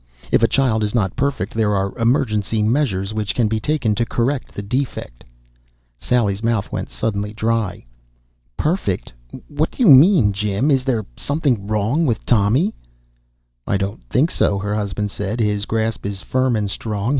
If a child is not perfect there are emergency measures which can be taken to correct the defect." Sally's mouth went suddenly dry. "Perfect! What do you mean, Jim? Is there something wrong with Tommy?" "I don't think so," her husband said. "His grasp is firm and strong.